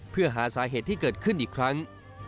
เพื่อหาสาเหตุที่เกิดขึ้นอีกครั้ง